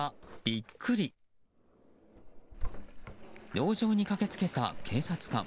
農場に駆けつけた警察官。